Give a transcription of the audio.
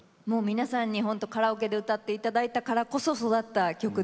皆さんにほんとカラオケで歌って頂いたからこそ育った曲です。